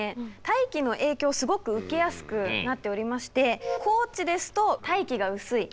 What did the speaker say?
大気の影響をすごく受けやすくなっておりまして高地ですと大気が薄い。